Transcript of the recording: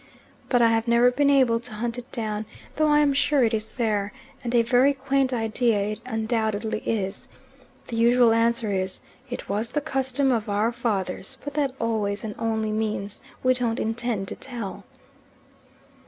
But I have never been able to hunt it down, though I am sure it is there, and a very quaint idea it undoubtedly is. The usual answer is, "It was the custom of our fathers," but that always and only means, "We don't intend to tell."